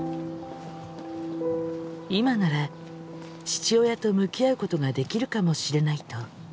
今なら父親と向き合うことができるかもしれないと考えていました。